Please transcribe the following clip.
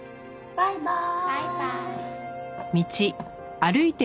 バイバーイ。